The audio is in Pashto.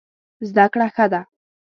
زده کړه ښه ده.